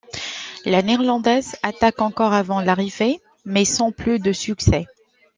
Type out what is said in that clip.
La Néerlandaise attaque encore avant l'arrivée, mais sans plus de succès.